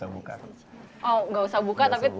oh gak usah buka tapi udah satu